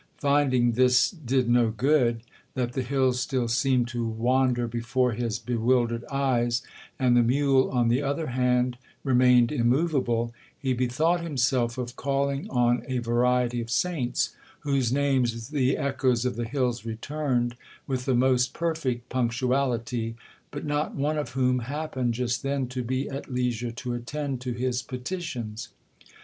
Finding this did no good,—that the hills still seemed to wander before his bewildered eyes, and the mule, on the other hand, remained immoveable, he bethought himself of calling on a variety of saints, whose names the echoes of the hills returned with the most perfect punctuality, but not one of whom happened just then to be at leisure to attend to his petitions.